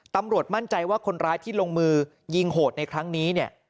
ตำรวจมั่นใจว่าคนร้ายที่ลงมือยิงโหดในครั้งนี้เนี่ย